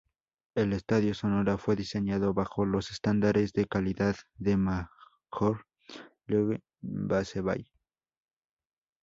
El Estadio Sonora fue diseñado bajo los estándares de calidad de Major League Baseball.